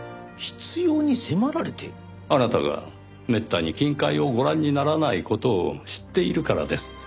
あなたがめったに金塊をご覧にならない事を知っているからです。